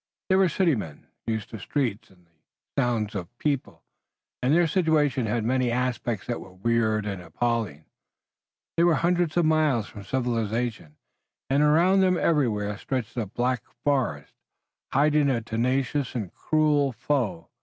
They were city men, used to the streets and the sounds of people, and their situation had many aspects that were weird and appalling. They were hundreds of miles from civilization, and around them everywhere stretched a black forest, hiding a tenacious and cruel foe.